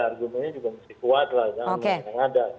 argumennya juga mesti kuat lah